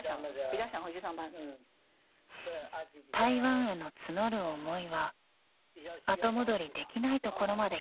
［台湾への募る思いは後戻りできないところまで来ていました］